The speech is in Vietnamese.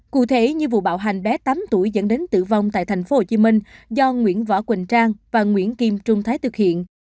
cụ thể như vụ bạo hành bé tám tuổi dẫn đến tử vong tại tp hcm do nguyễn võ quỳnh trang và nguyễn kim trung thái thực hiện